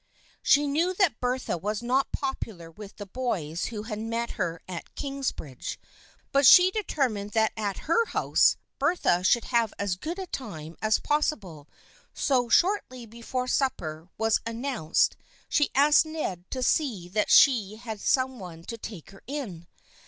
She knew that Bertha was not popular with the boys who had met her at Kingsbridge, but she determined that at her house Bertha should have as good a time as possible, so shortly before supper was announced she asked Ned to see that she had some one to take her in.